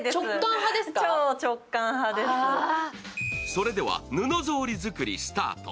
それでは布ぞうり作りスタート。